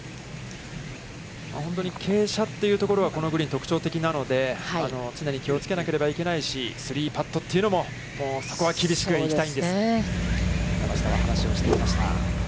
本当に傾斜というところはこのグリーン、特徴的なので、常に気をつけなければいけないし、３パットというのもそこは厳しく行きたいんですと、山下は話をしていました。